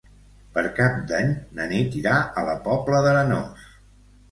Per Cap d'Any na Nit irà a la Pobla d'Arenós.